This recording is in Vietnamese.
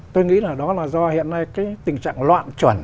tôi nghĩ là đó là do hiện nay cái tình trạng loạn chuẩn